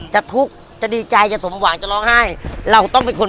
จะทุกข์จะดีใจจะสมหวังจะร้องไห้เราต้องเป็นคน